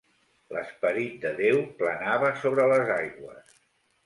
L'esperit de Déu planava sobre les aigües.